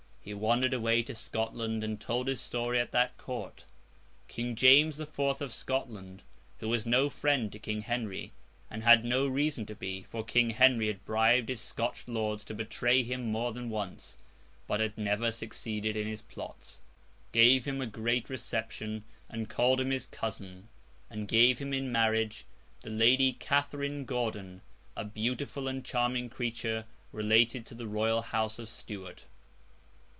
He wandered away to Scotland, and told his story at that Court. King James the Fourth of Scotland, who was no friend to King Henry, and had no reason to be (for King Henry had bribed his Scotch lords to betray him more than once; but had never succeeded in his plots), gave him a great reception, called him his cousin, and gave him in marriage the Lady Catherine Gordon, a beautiful and charming creature related to the royal house of Stuart.